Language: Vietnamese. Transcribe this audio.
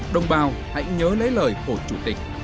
đồng bào hãy nhớ lấy lời hội chủ tịch